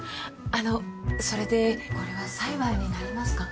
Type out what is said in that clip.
あのそれでこれは裁判になりますか？